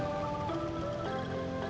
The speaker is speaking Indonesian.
yang banyak gerak si ujang